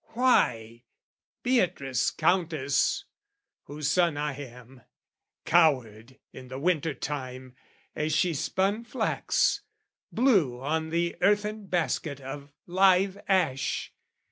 Why Beatrice Countess, whose son I am, Cowered in the winter time as she spun flax, Blew on the earthen basket of live ash.